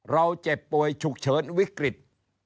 เจ็บป่วยฉุกเฉินวิกฤต